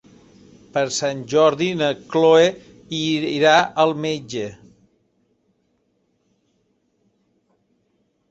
Per Sant Jordi na Cloè irà al metge.